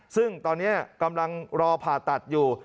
ซึ่งตอนนี้กำลังรอผ่าตัดอยู่